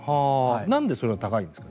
なんでそれが高いんですか？